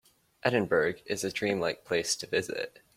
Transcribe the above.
Edinburgh is a dream-like place to visit.